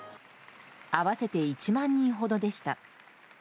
合わせて１万人ほどでした。